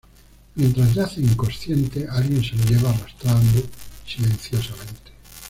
Mientras yace inconsciente alguien se lo lleva arrastrando silenciosamente.